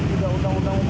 tidak undang undang umum ya